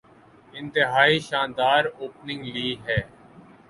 انتہائی شاندار اوپننگ لی ہے۔